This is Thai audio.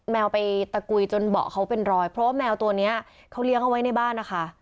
แมวไปตะกุยจนเบาะเขาเป็นรอยเพราะว่าแมวตัวนี้เขาเลี้ยงเอาไว้ในบ้านนะคะ